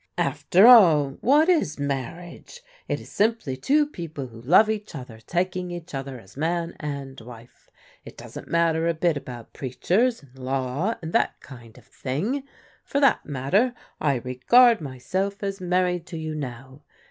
"After all, what is marriage? It is simply two people who love each other, taking each other as man and wife. It doesn't matter a bit about preachers, and law, and that kind of thing. For that matter I re gard myself as married to you now.